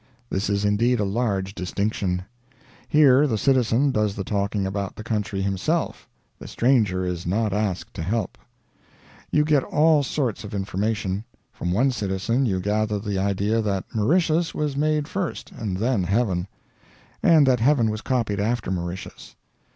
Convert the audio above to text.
This is indeed a large distinction. Here the citizen does the talking about the country himself; the stranger is not asked to help. You get all sorts of information. From one citizen you gather the idea that Mauritius was made first, and then heaven; and that heaven was copied after Mauritius.